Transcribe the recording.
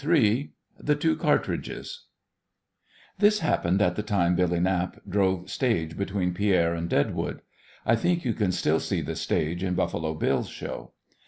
III THE TWO CARTRIDGES This happened at the time Billy Knapp drove stage between Pierre and Deadwood. I think you can still see the stage in Buffalo Bill's show.